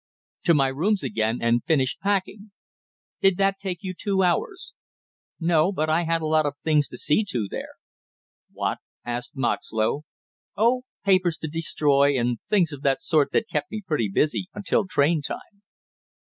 "To my rooms again and finished packing." "Did that take you two hours?" "No, but I had a lot of things to see to there." "What?" asked Moxlow. "Oh, papers to destroy, and things of that sort that kept me pretty busy until train time."